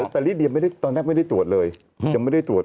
แต่ลิเดียตอนแรกไม่ได้ตรวจเลยยังไม่ได้ตรวจ